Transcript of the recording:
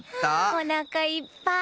おなかいっぱい。